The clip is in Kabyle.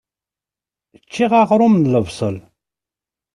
Ččiɣ aɣrum n lebṣel.